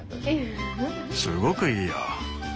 すごくいいよ。